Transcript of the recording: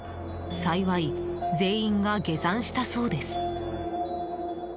幸い、全員が下山したそうです。